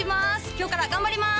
今日から頑張ります！